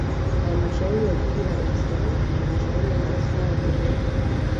Halmashauri ya Jiji la Dar es Salaam Halmashauri ya Manispaa ya Temeke